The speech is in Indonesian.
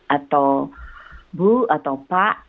atau bu atau pak